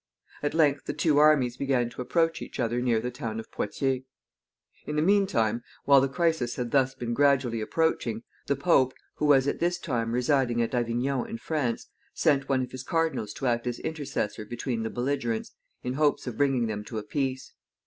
At length the two armies began to approach each other near the town of Poictiers. In the mean time, while the crisis had thus been gradually approaching, the Pope, who was at this time residing at Avignon in France, sent one of his cardinals to act as intercessor between the belligerents, in hopes of bringing them to a peace.